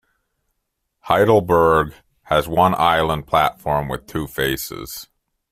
Heidelberg has one island platform with two faces.